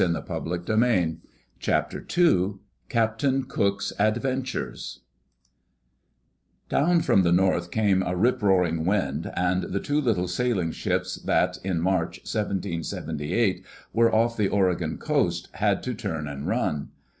Digitized by VjOOQ IC CHAPTER II CAPTAIN cook's ADVENTURES DOWN from the north came a rip roaring wind, and the two little sailing ships that, in March, 1778, were off the Oregon coast had to turn and run.